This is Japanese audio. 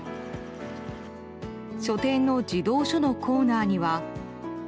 書店の児童書のコーナーには。